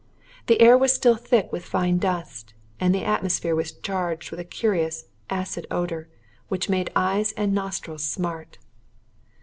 The air was still thick with fine dust, and the atmosphere was charged with a curious, acid odour, which made eyes and nostrils smart.